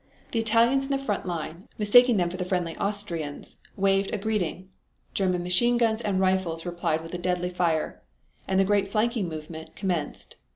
The Italians in the front line, mistaking them for the friendly Austrians, waved a greeting. German machine guns and rifles replied with a deadly fire, and the great flanking movement commenced.